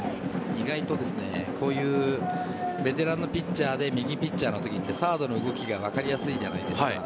意外とこういうベテランのピッチャーで右ピッチャーのときサードの動きが分かりやすいじゃないですか。